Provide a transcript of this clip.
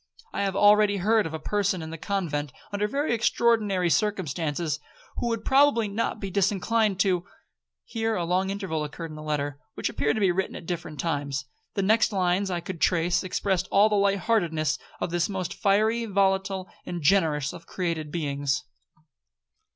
I have already heard of a person in the convent under very extraordinary circumstances, who would probably not be disinclined to' 'Here a long interval occurred in the letter, which appeared to be written at different times. The next lines that I could trace, expressed all the light heartedness of this most fiery, volatile, and generous of created beings.